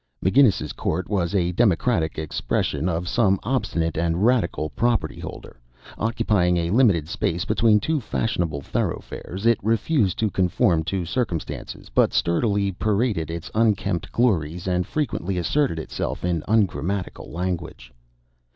McGinnis's Court was a democratic expression of some obstinate and radical property holder. Occupying a limited space between two fashionable thoroughfares, it refused to conform to circumstances, but sturdily paraded its unkempt glories, and frequently asserted itself in ungrammatical language.